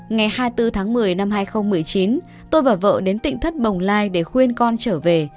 ngày hai mươi bốn tháng một mươi năm hai nghìn một mươi chín tôi và vợ đến tỉnh thất bồng lai để khuyên con trở về